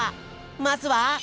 まずは。